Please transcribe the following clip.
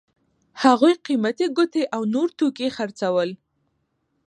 هغوی قیمتي ګوتې او نور توکي خرڅول.